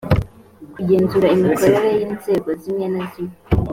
kugenzura imikorere y’inzego zimwe na zimwe